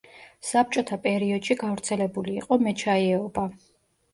საბჭოთა პერიოდში გავრცელებული იყო მეჩაიეობა.